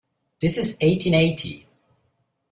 This is eighteen eighty.